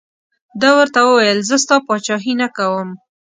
ده ورته وویل زه ستا پاچهي نه کوم.